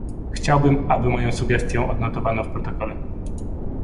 Chciałbym, aby moją sugestię odnotowano w protokole